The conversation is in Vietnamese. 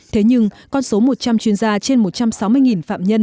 thế nhưng con số một trăm linh chuyên gia trên một trăm sáu mươi phạm nhân